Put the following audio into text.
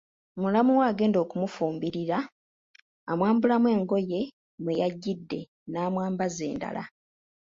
Mulamu we agenda okumufumbirira amwambulamu engoye mwe yajjidde n’amwambaza endala.